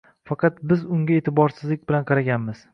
Faqat biz bunga e’tiborsizlik bilan qaraganmiz